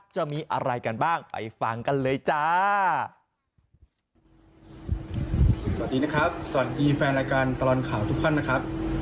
จะมีอะไรกันบ้างไปฟังกันเลยจ้า